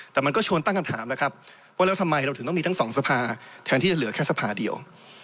แต่มันก็ชวนตั้งคำถามแล้วครับว่าแล้วทำไมเราถึงต้องมีทั้งสองสภาแทนที่จะเหลือแค่สภาเดียว